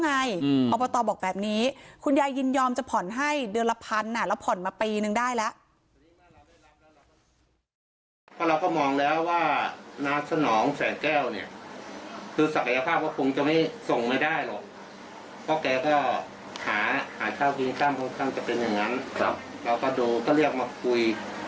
เพราะแกก็หาข้าวกินข้ามคงจะเป็นอย่างนั้นเราก็ดูก็เรียกมาคุย